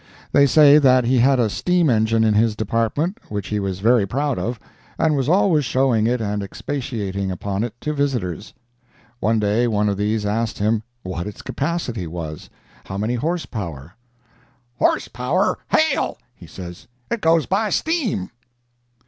They say that he had a steam engine in his department which he was very proud of, and was always showing it and expatiating upon it to visitors. One day one of these asked him what its capacity was—how many horse power? "Horse power, h—l!" he says, "it goes by steam!"